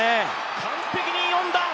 完璧に読んだ！